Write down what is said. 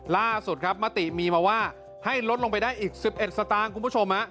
ล่าสุดครับมติมีมาว่าให้ลดลงไปได้อีก๑๑สตางค์คุณผู้ชม